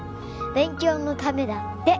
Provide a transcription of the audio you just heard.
勉強のためだって。